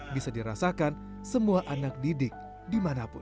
bisa dirasakan semua anak didik dimanapun